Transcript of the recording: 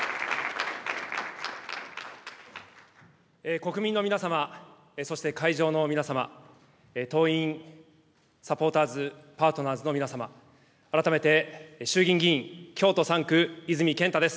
国民の皆様、そして会場の皆様、党員・サポーターズ・パートナーズの皆様、改めて衆議院議員京都３区、泉健太です。